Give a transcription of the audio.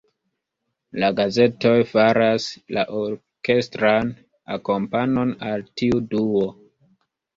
La gazetoj faras la orkestran akompanon al tiu duo.